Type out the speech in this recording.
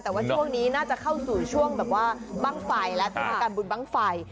แต่ว่าช่วงนี้น่าจะเข้าสู่ช่วงแบบว่าบ้างไฟและเทศกาลบุญบ้างไฟ